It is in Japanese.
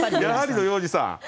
やはりの要次さん。